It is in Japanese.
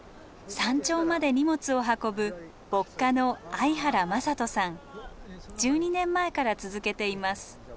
山頂まで荷物を運ぶ１２年前から続けています。